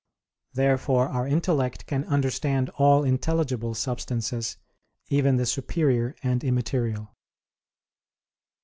Therefore our intellect can understand all intelligible substances, even the superior and immaterial.